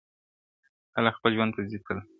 خلک خپل ژوند ته ځي تل,